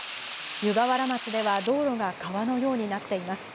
湯河原町では道路が川のようになっています。